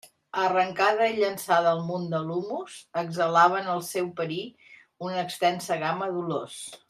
Arrancada i llançada al munt de l'humus, exhalava en el seu perir una extensa gamma d'olors.